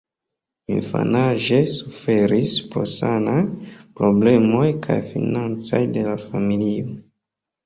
Infanaĝe suferis pro sanaj problemoj kaj financaj de la familio.